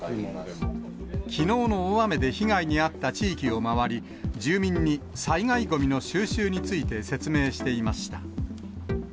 きのうの大雨で被害に遭った地域を回り、住民に災害ごみの収集について説明していました。